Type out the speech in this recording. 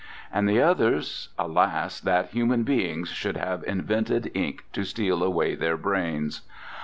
And the others—alas that human beings should have invented ink to steal away their brains!